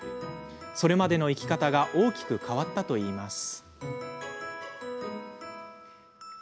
それまでの生き方が大きく変わったといいます。